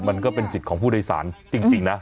มันก็เป็นสิทธิ์ของผู้โดยสารจริงนะ